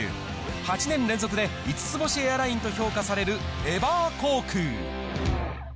８年連続で５つ星エアラインと評価されるエバー航空。